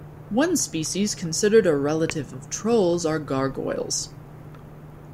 One species considered a relative of trolls are gargoyles.